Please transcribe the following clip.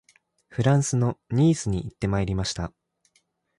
フランスのニースに行ってまいりました